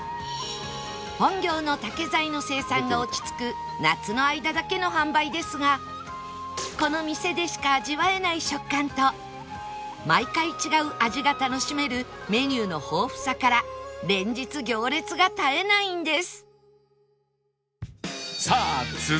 本業の竹材の生産が落ち着く夏の間だけの販売ですがこの店でしか味わえない食感と毎回違う味が楽しめるメニューの豊富さから連日行列が絶えないんです